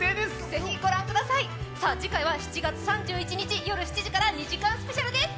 ぜひご覧くださいさあ次回は７月３１日夜７時から２時間スペシャルです